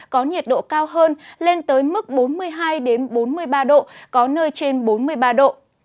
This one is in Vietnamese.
có nhiệt độ cao hơn lên tới mức bốn mươi hai bốn mươi ba độ có nơi trên bốn mươi ba độ